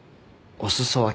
お裾分け。